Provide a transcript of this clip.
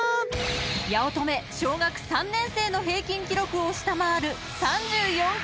［八乙女小学３年生の平均記録を下回る３４回で脱落］